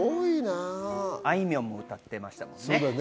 あいみょんも歌ってましたもんね。